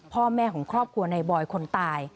พ่อแม่ของครอบครัวในบอยคนตาย